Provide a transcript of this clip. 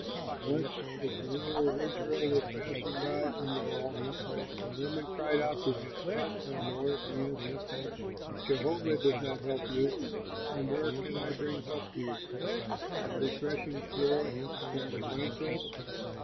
Once as the ruler of Israel was passing by on the wall, a woman cried out to him, "Help, my lord." He answered, "If Jehovah does not help you, from where can I bring help to you? From the threshing floor or from the wine press?"